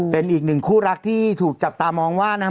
เป็นอีกหนึ่งคู่รักที่ถูกจับตามองว่านะครับ